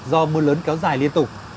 do mưa lớn kéo dài liên tục